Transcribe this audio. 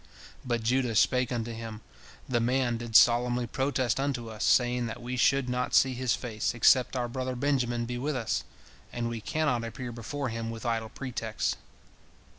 But Judah spake unto him, "The man did solemnly protest unto us, saying that we should not see his face, except our brother Benjamin be with us, and we cannot appear before him with idle pretexts."